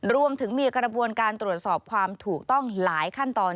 รวมถึงมีกระบวนการตรวจสอบความถูกต้องหลายขั้นตอน